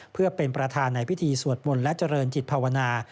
เพื่อเป็นประธานในพิธีสวดมนต์และเจริญจิตภาวนา